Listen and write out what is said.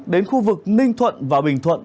đến khu vực ninh thuận và bình thuận